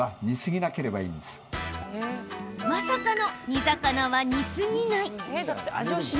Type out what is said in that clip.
まさかの、煮魚は煮すぎない。